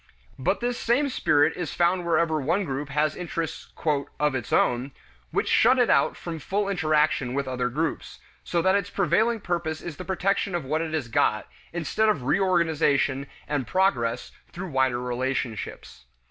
But this same spirit is found wherever one group has interests "of its own" which shut it out from full interaction with other groups, so that its prevailing purpose is the protection of what it has got, instead of reorganization and progress through wider relationships.